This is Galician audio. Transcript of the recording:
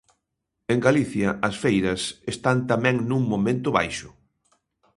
En Galicia as feiras están tamén nun momento baixo.